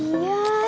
ini bukan nyat nyat